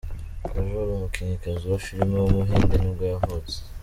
Kajol, umukinnyikazi wa filime w’umuhinde nibwo yavutse.